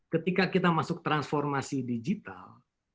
ketika kita masuk transformasi digital